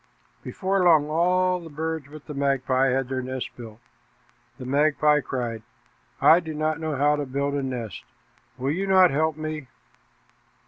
Before long all the birds but the magpie had their nests built. The magpie cried, "I do not know how to build a nest. Will you not help me?"